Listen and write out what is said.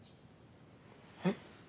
えっ？